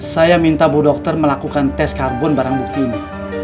saya minta bu dokter melakukan tes karbon barang bukti ini